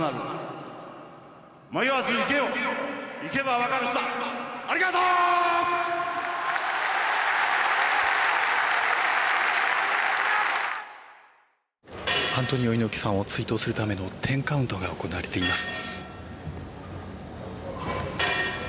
アントニオ猪木さんを追悼するための１０カウントが行われています。